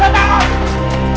jangan jangan takut